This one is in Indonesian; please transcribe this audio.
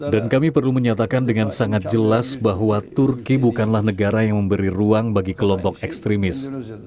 dan kami perlu menyatakan dengan sangat jelas bahwa turki bukanlah negara yang memberi ruang bagi kelompok ekstremis